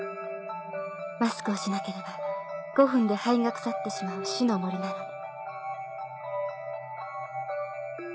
マスクをしなければ５分で肺が腐ってしまう死の森なのに。